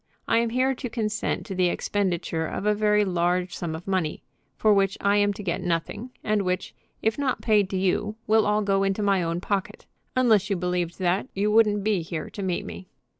I am here to consent to the expenditure of a very large sum of money, for which I am to get nothing, and which, if not paid to you, will all go into my own pocket; unless you believed that you wouldn't be here to meet me."